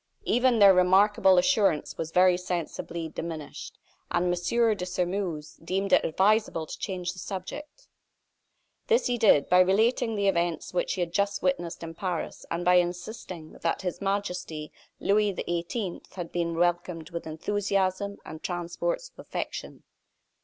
Even their remarkable assurance was very sensibly diminished; and M. de Sairmeuse deemed it advisable to change the subject. This he did, by relating the events which he had just witnessed in Paris, and by insisting that His Majesty, Louis XVIII., had been welcomed with enthusiasm and transports of affection.